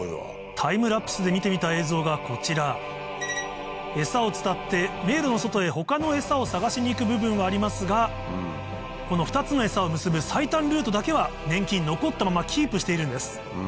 タイムラプスで見てみた映像がこちらエサをつたって迷路の外へ他のエサを探しに行く部分はありますがこの２つのエサを結ぶ最短ルートだけは粘菌残ったままキープしているんです